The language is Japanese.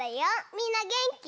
みんなげんき？